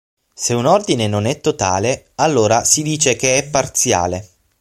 Se un ordine non è totale allora si dice che è "parziale".